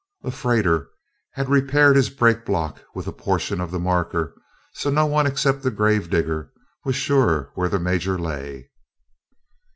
A "freighter" had repaired his brake block with a portion of the marker, so no one except the grave digger was sure where the Major lay.